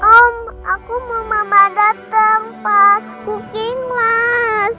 om aku mau mama dateng pas cooking class